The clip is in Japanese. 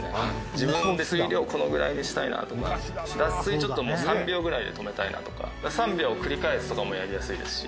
自分で水量このくらいにしたいなとか脱水ちょっと３秒くらいで止めたいなとか３秒繰り返すとかもやりやすいですし。